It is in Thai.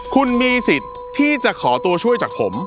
คุณมีสิทธิ์ที่จะขอตัวช่วยจากผม